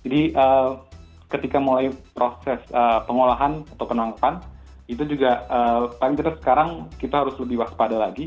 jadi ketika mulai proses pengolahan atau penerangan itu juga paling jelas sekarang kita harus lebih waspada lagi